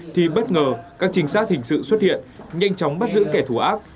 thì bất ngờ các chính xác hình sự xuất hiện nhanh chóng bắt giữ kẻ thù ác